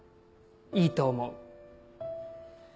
いいと思う。